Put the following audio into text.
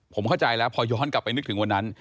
ผมเข้าใจแล้วพอย้อนกลับไปนึกถึงวันนั้น